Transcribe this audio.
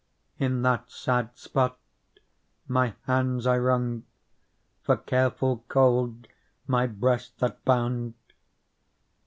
In that sad spot my hands I wrung For care full cold my breast that bound.